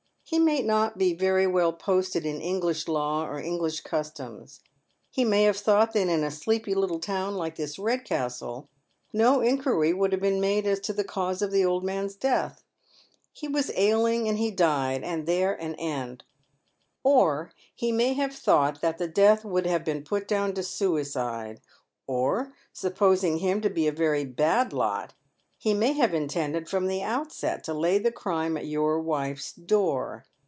He may not be very well posted in English law or English customs. He may have thought that in a sleepy little town like this Eedcastle no inquiry would have been made as to the cause of an old man's death. He was ailing and he died, and there an end ; or he may have thought that the death would have been put down to suicide ; or, supposing him to be a very bad lot, he may have intended from the outset to lay the crime at your wife's door.